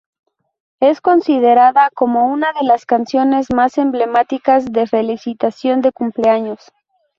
Es considerada como una de las canciones más emblemáticas de felicitación de cumpleaños.